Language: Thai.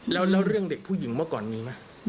แล้วเรื่องเด็กผู้หญิงเมื่อก่อนมีไหม